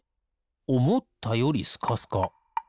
おもったよりスカスカ。